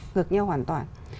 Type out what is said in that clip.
ngược nhau hoàn toàn